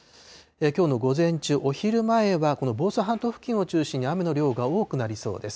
きょうの午前中、お昼前は、この房総半島付近を中心に雨の量が多くなりそうです。